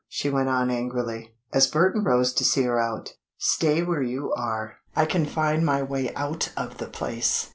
she went on angrily, as Burton rose to see her out. "Stay where you are. I can find my way out of the place."